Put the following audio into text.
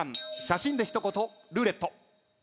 写真で一言ルーレット。